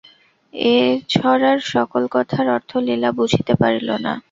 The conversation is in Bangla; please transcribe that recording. এ ছড়ার সকল কথার অর্থ লীলা বুঝিতে পারিল না।